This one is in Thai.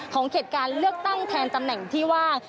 เขตการเลือกตั้งแทนตำแหน่งที่ว่าง